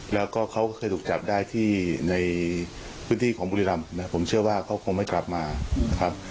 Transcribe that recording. แล้วก็เขาก็ถูกจับได้ในพื้นที่ของบุรียรำนะผมเชื่อว่าก็คงไม่กลับมาครับ